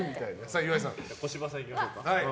小芝さんいきましょうか。